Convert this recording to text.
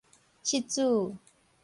失主